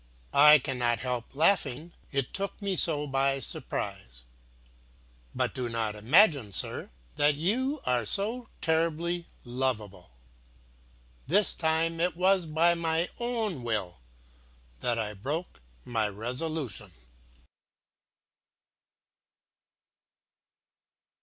I cannot help laughing, it took me so by surprise. But do not imagine, sir, that you are so terribly lovable this time it was by my own will that I broke my resolution."